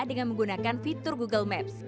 dengan menggunakan fitur google maps